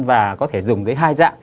và có thể dùng với hai chất